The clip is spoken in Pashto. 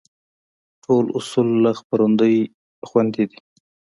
ټول اصول له خپرندوى خوندي دي.